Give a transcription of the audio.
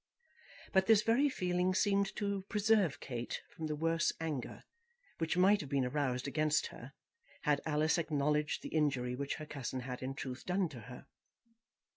But this very feeling seemed to preserve Kate from the worse anger, which might have been aroused against her, had Alice acknowledged the injury which her cousin had in truth done to her.